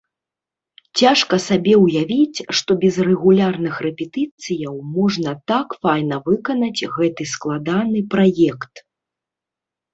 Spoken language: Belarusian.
Цяжка сабе ўявіць, што без рэгулярных рэпетыцыяў можна так файна выканаць гэты складаны праект!